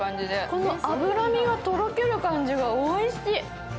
この脂身のとろける感じがおいしい。